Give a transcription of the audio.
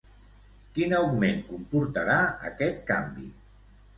Quin augment comportarà aquest canvi?